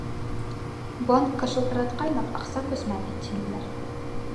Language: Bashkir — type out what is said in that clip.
Банкка шылтыратҡайныҡ, аҡса күсмәне, тинеләр.